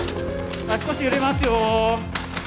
はい少し揺れますよ。